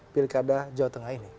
pilkada jawa tengah ini